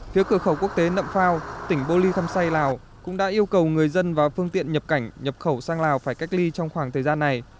phía cửa khẩu quốc tế nậm phao tỉnh bô ly thăm say lào cũng đã yêu cầu người dân và phương tiện nhập cảnh nhập khẩu sang lào phải cách ly trong khoảng thời gian này